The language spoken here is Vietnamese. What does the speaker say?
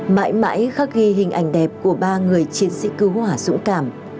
mãi mãi khắc ghi hình ảnh đẹp của ba người chiến sĩ cứu hỏa dũng cảm